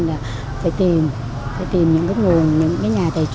là phải tìm những cái nguồn những cái nhà tài trợ